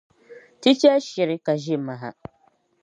Ti chɛri shiri ka ʒe maha.